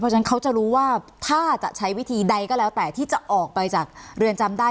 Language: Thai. เพราะฉะนั้นเขาจะรู้ว่าถ้าจะใช้วิธีใดก็แล้วแต่ที่จะออกไปจากเรือนจำได้